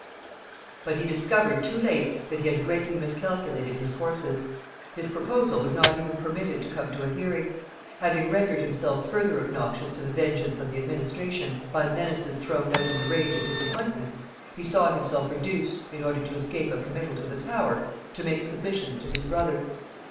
But he discovered too late that he had greatly miscalculated his forces; his proposal was not even permitted to come to a hearing. Having rendered himself further obnoxious to the vengeance of the administration by menaces thrown out in the rage of disappointment, he saw himself reduced, in order to escape a committal to the Tower, to make submissions to his brother.